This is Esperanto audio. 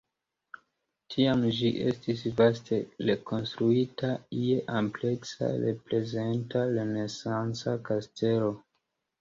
Tiam ĝi estis vaste rekonstruita je ampleksa reprezenta renesanca kastelo.